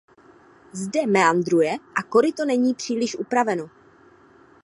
Zde meandruje a koryto není příliš upraveno.